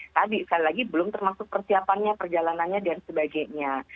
tadi sekali lagi belum termasuk persiapannya perjalanannya dan sebagainya